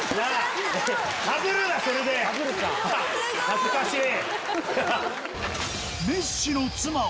恥ずかしい！